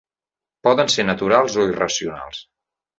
Poden ser naturals o irracionals.